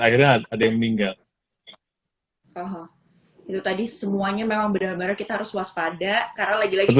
akhirnya ada yang meninggal itu tadi semuanya memang benar benar kita harus waspada karena lagi lagi